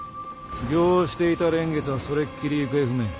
行をしていた蓮月はそれっきり行方不明。